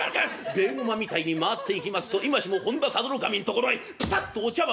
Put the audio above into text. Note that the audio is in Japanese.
ベイゴマみたいに回っていきますと今しも本多佐渡守のところへピタッとお茶碗がついた！